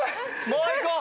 もういこう。